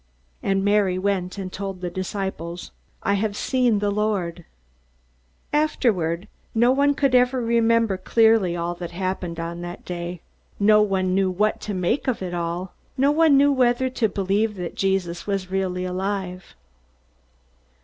And Mary went and told the disciples, "I have seen the Lord!" Afterward, no one could ever remember clearly all that happened on that day. No one knew what to make of it all. No one knew whether to believe that Jesus was really alive.